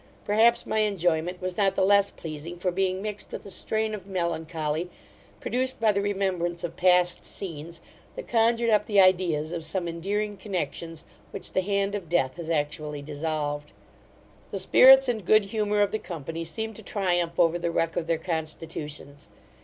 Perhaps my enjoyment was not the less pleasing for being mixed with a strain of melancholy, produced by the remembrance of past scenes, that conjured up the ideas of some endearing connexions, which the hand of Death has actually dissolved. The spirits and good humour of the company seemed to triumph over the wreck of their constitutions.